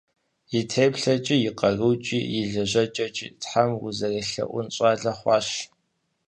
И теплъэкӏи, и къарукӏи, и лэжьэкӏэкӏи Тхьэм узэрелъэӏун щӏалэ хъуащ.